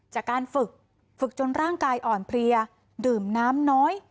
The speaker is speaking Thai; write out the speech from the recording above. จากการฝึกฝึกจนร่างกายอ่อนเพลียดื่มน้ำน้อย